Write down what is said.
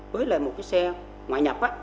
với một xe ngoại nhập